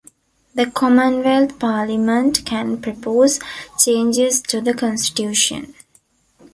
The Commonwealth Parliament can propose changes to the Constitution.